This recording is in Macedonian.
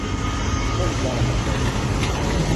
Боли главата што ја немам.